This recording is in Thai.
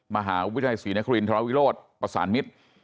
มหาวิทยาลัยศรีนครินทรวิโรธประสานมิตร